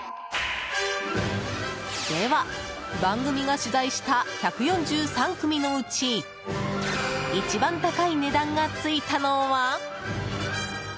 では、番組が取材した１４３組のうち一番高い値段がついたのは？